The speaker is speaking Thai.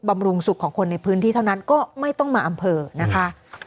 บำรุงสุขของคนในพื้นที่เท่านั้นก็ไม่ต้องมาอำเภอนะคะ